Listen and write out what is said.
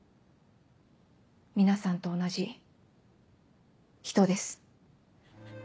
皆さんと同じ人です。